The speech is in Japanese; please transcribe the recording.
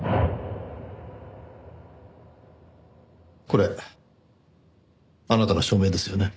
これあなたの署名ですよね？